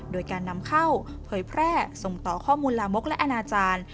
โดยการนำเข้าเผยแพร่ส่งต่อข้อมูลลามกและอนาจารย์